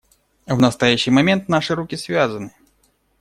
В настоящий момент наши руки связаны.